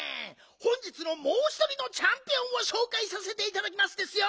本日のもうひとりのチャンピオンをしょうかいさせていただきますですよ！